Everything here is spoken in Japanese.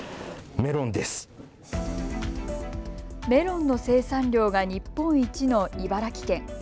メロンの生産量が日本一の茨城県。